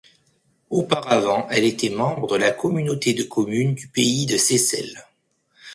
Auparavant, elle était membre de la Communauté de communes du pays de Seyssel.